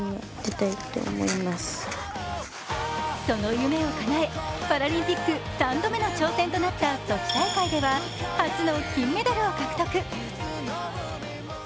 その夢をかなえ、パラリンピック３度目の挑戦となったソチ大会では初の金メダルを獲得。